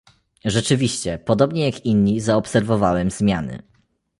Rzeczywiście, podobnie jak inni, zaobserwowałem zmiany